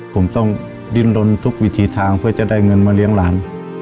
ผมต้องดินรนทุกวิธีทางเพื่อจะได้เงินมาเลี้ยงหลาน